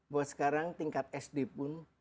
bahwa sekarang tingkat sd pun